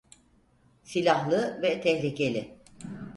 Silahlı ve tehlikeli.